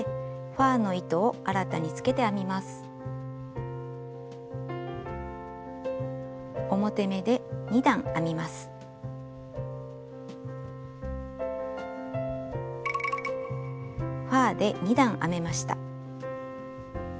ファーで２段編めました。